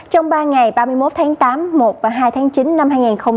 trong ba ngày ba mươi một tháng tám một và hai tháng chín năm hai nghìn một mươi chín